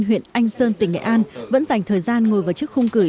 huyện anh sơn tỉnh nghệ an vẫn dành thời gian ngồi vào chiếc khung cửi